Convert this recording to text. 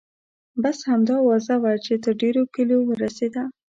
بس همدا اوازه وه چې تر ډېرو کلیو ورسیده.